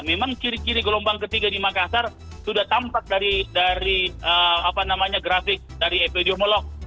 memang ciri ciri gelombang ketiga di makassar sudah tampak dari grafik dari epidemiolog